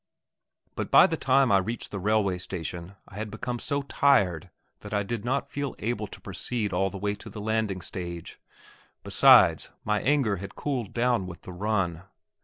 But by the time I reached the railway station I had become so tired that I did not feel able to proceed all the way to the landing stage; besides, my anger had cooled down with the run.